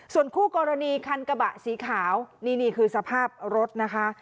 ส่วนคู่กรณีคันกระบะสีขาวนี่นี่คือสภาพรถนะคะ